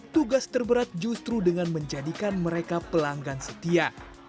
tugas terberat justru dengan menjadikan mereka pelanggan setia